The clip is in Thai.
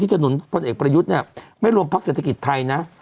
ที่จะหนุนคนเอกประยุทธ์เนี้ยไม่รวมภาคเศรษฐกิจไทยน่ะ